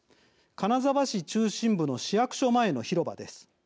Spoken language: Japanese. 金沢市中心部の市役所前の広場です。